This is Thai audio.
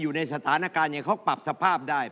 อยู่ในสถานการณ์อย่างเขาปรับสภาพได้